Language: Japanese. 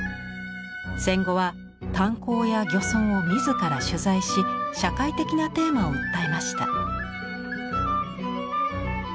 戦後は炭鉱や漁村を自ら取材し社会的なテーマを訴えました。